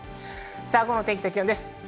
午後の天気と気温です。